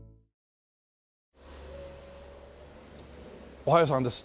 おはようさんです。